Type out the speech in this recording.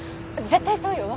絶対そうよ。